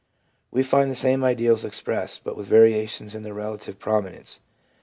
We find the same ideals expressed, but with variations in their relative prominence.